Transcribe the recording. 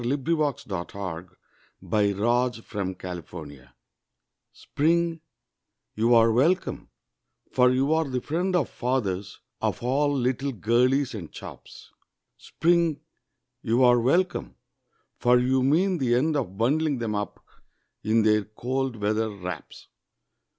WELCOME TO SPRING Spring, you are welcome, for you are the friend of Fathers of all little girlies and chaps. Spring, you are welcome, for you mean the end of Bundling them up in their cold weather wraps.